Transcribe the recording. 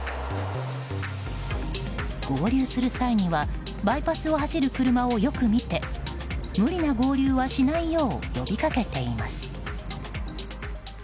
合流する際にはバイパスを走る車をよく見て無理な合流はしないよう呼びかけています。